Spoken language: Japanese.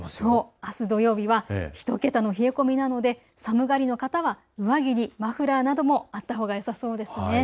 あす土曜日は１桁の冷え込みなので、寒がりな方は上着にマフラーなどもあったほうがよさそうです。